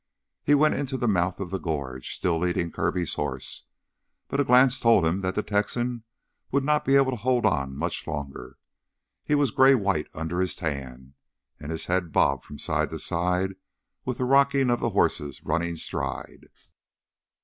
He was into the mouth of the gorge, still leading Kirby's horse, but a glance told him that the Texan would not be able to hold on much longer. He was gray white under his tan, and his head bobbed from side to side with the rocking of the horse's running stride.